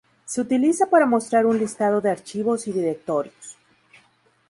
Se utiliza para mostrar un listado de archivos y directorios.